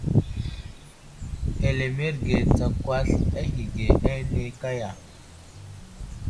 Hələmerge tsakwasl ahəge ane kaya.